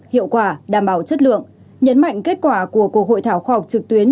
hiệu quả đảm bảo chất lượng nhấn mạnh kết quả của cuộc hội thảo khoa học trực tuyến